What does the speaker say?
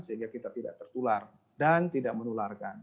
sehingga kita tidak tertular dan tidak menularkan